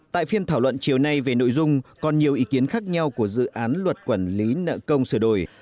tại phiên thảo luận chiều nay về nội dung còn nhiều ý kiến khác nhau của dự án luật quản lý nợ công sửa đổi